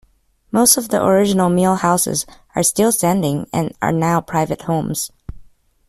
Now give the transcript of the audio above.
Most of the original mill houses are still standing and are now private homes.